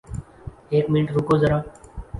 ایک منٹ رکو زرا